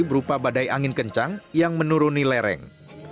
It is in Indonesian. berupa badai angin kencang yang menuruni lereng